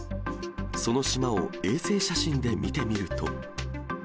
その島を衛星写真で見てみると。